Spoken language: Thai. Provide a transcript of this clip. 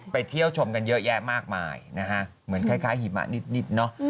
ไปเที่ยวชมกันเยอะแยะมากมายนะฮะเหมือนคล้ายหิมะนิดเนอะ